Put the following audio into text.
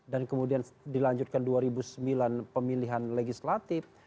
dan kemudian dilanjutkan dua ribu sembilan pemilihan legislatif